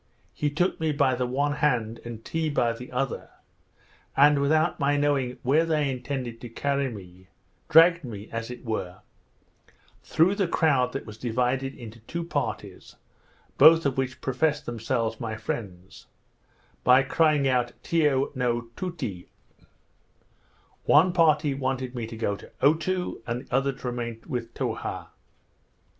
He took me by the one hand, and Tee by the other; and, without my knowing where they intended to carry me, dragged me, as it were, through the crowd that was divided into two parties, both of which professed themselves my friends, by crying out Tiyo no Tootee. One party wanted me to go to Otoo, and the other to remain with Towha.